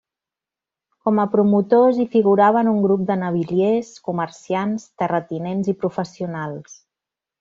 Com a promotors hi figuraven un grup de naviliers, comerciants, terratinents i professionals.